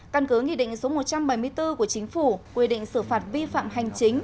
căn cứ nghị định số một trăm bảy mươi bốn của chính phủ quy định xử phạt vi phạm hành chính